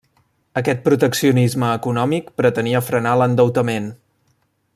Aquest proteccionisme econòmic pretenia frenar l'endeutament.